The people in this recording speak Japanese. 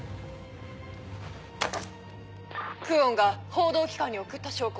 久遠が報道機関に送った証拠。